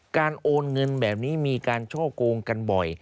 โอนเงินแบบนี้มีการช่อโกงกันบ่อย